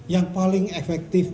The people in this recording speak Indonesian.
yang paling efektif